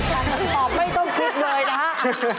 ตอบไม่ต้องคิดเลยนะคะ